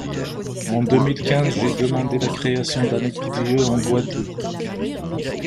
En deux mille quinze, j’ai demandé la création d’un EPIDE en Guadeloupe.